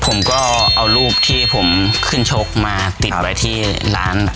ผมก็เอารูปที่ผมขึ้นชกมาติดไว้ที่ร้าน